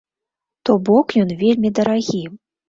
То бок ён вельмі дарагі.